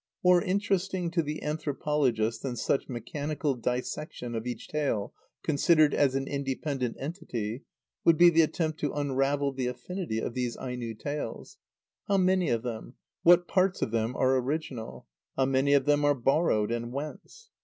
More interesting to the anthropologist than such mechanical dissection of each tale considered as an independent entity would be the attempt to unravel the affinities of these Aino tales. How many of them, what parts of them, are original? How many of them are borrowed, and whence?